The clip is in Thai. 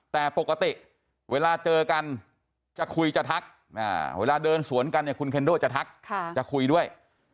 แต่ปกติเวลาเจอกันจะคุยจะทักเวลาเดินสวนกันเนี่ยคุณเคนโดจะทักจะคุยด้วย